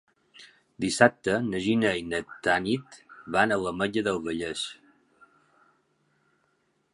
Dissabte na Gina i na Tanit van a l'Ametlla del Vallès.